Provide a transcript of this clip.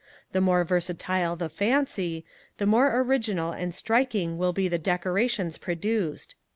The more versatile the fancy, the more original and striking will be the decorations produced.'